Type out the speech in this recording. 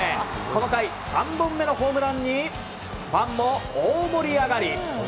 この回、３本目のホームランにファンも大盛り上がり。